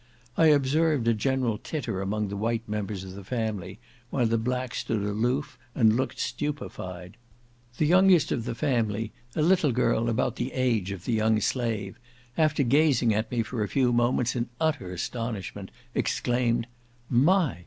I observed a general titter among the white members of the family, while the black stood aloof, and looked stupified. The youngest of the family, a little girl about the age of the young slave, after gazing at me for a few moments in utter astonishment, exclaimed "My!